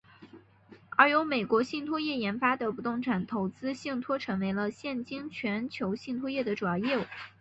而由美国信托业研发的不动产投资信托成为了现今全球信托业的主要业务。